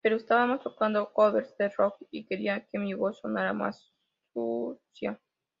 Pero estábamos tocando "covers" de "rock" y quería que mi voz sonara más sucia.